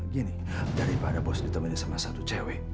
gini daripada bos ditemenin sama satu cewek